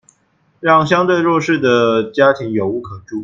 讓相對弱勢的家庭有屋可住